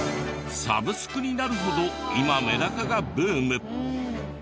サブスクになるほど今メダカがブーム。